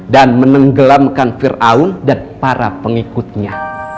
dan menenggelamkan fir'aun dan para pengikutnya